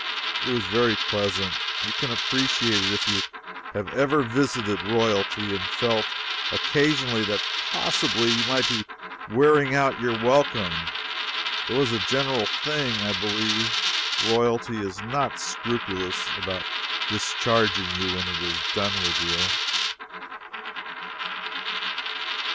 It was very pleasant. You can appreciate it if you have ever visited royalty and felt occasionally that possibly you might be wearing out your welcome though as a general thing, I believe, royalty is not scrupulous about discharging you when it is done with you.